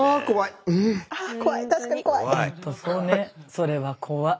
それは怖い。